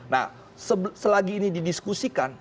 nah selagi ini didiskusikan